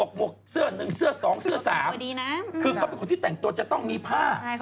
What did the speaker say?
คือเขาเป็นคนที่แต่งตัวจะต้องมีผ้า